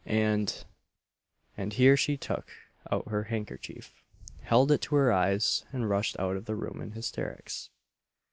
and" And here she took out her handkerchief, held it to her eyes, and rushed out of the room in hysterics.